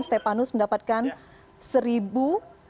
stepanus mendapatkan seribu